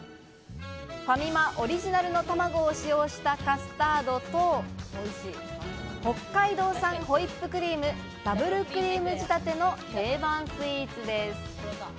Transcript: ファミマオリジナルの卵を使用したカスタードと、北海道産ホイップクリーム、ダブルクリーム仕立ての定番スイーツです。